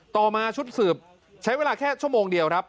ต่อมาชุดสืบใช้เวลาแค่ชั่วโมงเดียวครับ